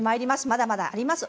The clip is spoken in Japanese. まだまだあります